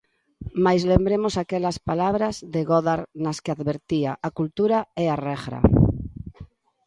Mais lembremos aquelas palabra de Godard nas que advertía: A cultura é a regra.